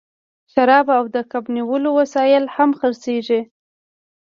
شراب او د کب نیولو وسایل هم خرڅیږي